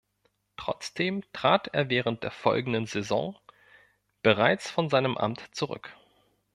Trotzdem trat er während der folgenden Saison bereits von seinem Amt zurück.